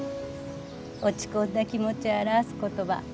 落ち込んだ気持ち表す言葉